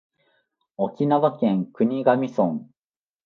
沖縄県国頭村